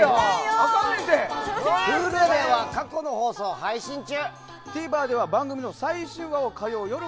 Ｈｕｌｕでは過去の放送を配信中。